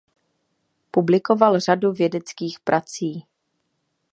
Publikoval řadu vědeckých prací.